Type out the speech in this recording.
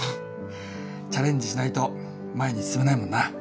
チャレンジしないと前に進めないもんな。